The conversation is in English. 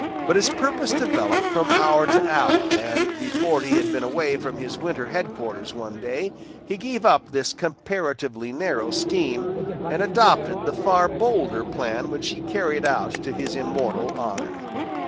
But his purpose developed from hour to hour, and before he had been away from his winter headquarters one day, he gave up this comparatively narrow scheme, and adopted the far bolder plan which he carried out to his immortal honor.